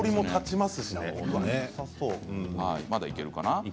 まだ、いけるかな。